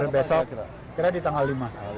besok kira kira di tanggal lima